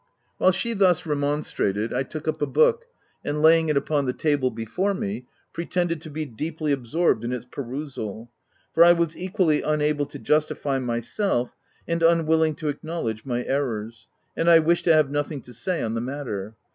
'' While she thus remonstrated, I took up a book, and laying it open on the table before me, pretended to be deeply absorbed in its pe rusal; for I was equally unable to justify my self, and unwilling to acknowledge my errors ; and I wished to have nothing to say on the matter.